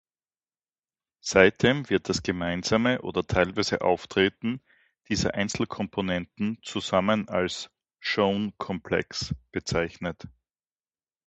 Seitdem wird das gemeinsame oder teilweise Auftreten dieser Einzelkomponenten zusammen als „Shone-Komplex“ bezeichnet.